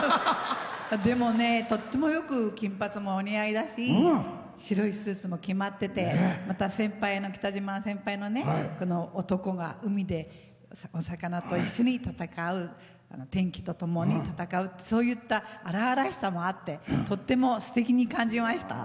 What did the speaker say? でもね、とってもよく金髪もお似合いだし白いスーツも決まっててまた北島先輩のねこの男が海で天気とともに闘うって荒々しさもあって、とてもすてきに感じました。